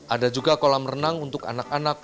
ada juga kolam renang untuk anak anak